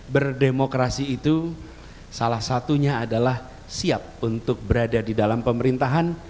berdemokrasi itu salah satunya adalah siap untuk berada di dalam pemerintahan